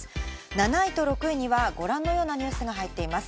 ７位と６位にはご覧のようなニュースが入っています。